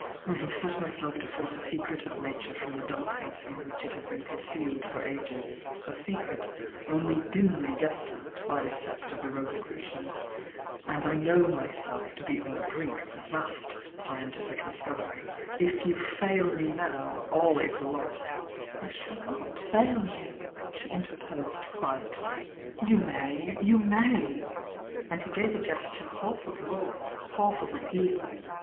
I have set my self to force a secret (j. Nature from the darkness m which it has been ioik, iled i ,r <i^s— a secret only dunly guessed 1 1 ./.:. p, 't >.{ the Rosicru cians— and I kno^^ rivjeli m be »n t .■ brink of a vast scientific dibco\civ. V ytu '.il me now. all 18 lost " ,']I sl^all not fail :oii," shi; interposed quietly. Tfou may— you maj ' aiil he lave a gesture half of wrath, half of appe.al.